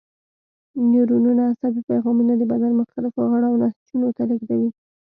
نیورونونه عصبي پیغامونه د بدن مختلفو غړو او نسجونو ته لېږدوي.